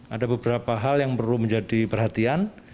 ada beberapa hal yang perlu menjadi perhatian